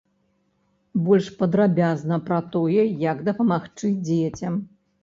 Больш падрабязна пра тое, як дапамагчы дзецям.